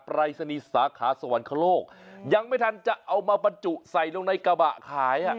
ปรายศนีย์สาขาสวรรคโลกยังไม่ทันจะเอามาบรรจุใส่ลงในกระบะขาย